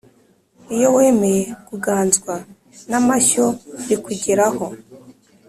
Iyo wemeye kuganzwa n’amoshya bikugeraho